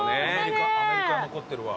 アメリカ残ってるわ。